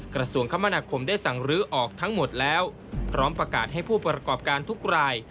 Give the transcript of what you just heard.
กระทรวงคมนาคมได้สั่งลื้อออกทั้งหมดแล้วพร้อมประกาศให้ผู้ประกอบการทุกราย